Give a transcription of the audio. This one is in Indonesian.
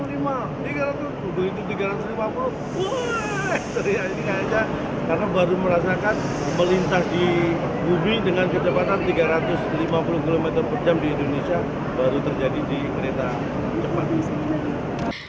ini kayaknya karena baru merasakan melintas di bumi dengan kecepatan tiga ratus lima puluh km per jam di indonesia baru terjadi di kereta cepat